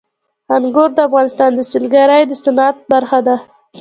انګور د افغانستان د سیلګرۍ د صنعت برخه ده.